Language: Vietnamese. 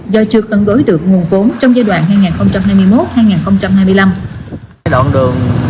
do chưa phản đối được nguồn vốn trong giai đoạn hai nghìn hai mươi một hai nghìn hai mươi năm